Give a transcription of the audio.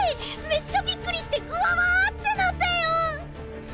めっちゃビックリしてグワワーってなったよ！